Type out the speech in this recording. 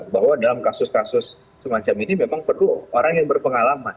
bahwa dalam kasus kasus semacam ini memang perlu orang yang berpengalaman